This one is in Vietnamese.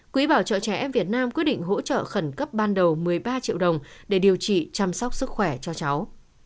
quỹ bảo trợ trẻ em việt nam quyết định hỗ trợ khẩn cấp ban đầu một mươi ba triệu đồng để điều trị chăm sóc sức khỏe cho cháu